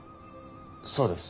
そうです。